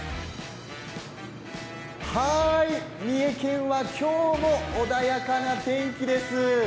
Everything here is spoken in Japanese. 三重県は今日も穏やかなお天気です。